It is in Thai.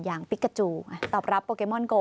อย่างปิกาจูตอบรับโปเกมอนโกล